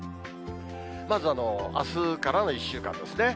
まずあすからの１週間ですね。